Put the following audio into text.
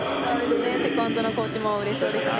セコンドのコーチも嬉しそうでしたね。